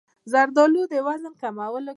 زردالو د وزن کمولو کې مرسته کوي.